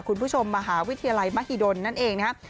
คุณผู้ชมมหาวิทยาลัยมหิดลนั่นเองนะครับ